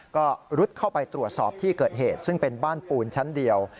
ก็รุดเข้าไปตรวจสอบที่เกิดเหตุซึ่งเป็นบ้านปูนชั้นเดียว